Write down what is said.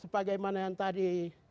seperti yang tadi